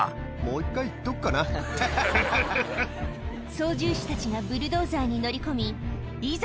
操縦士たちがブルドーザーに乗り込みいざ